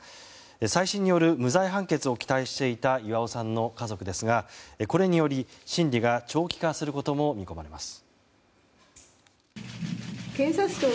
再審による無罪判決を期待していた巌さんの家族ですがこれにより審理が長期化することも見込まれます。